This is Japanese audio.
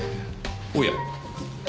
おや。